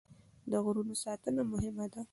د غرونو ساتنه مهمه ده.